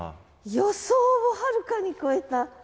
予想をはるかに超えた。